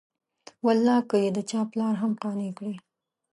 والله که یې د چا پلار هم قانع کړي.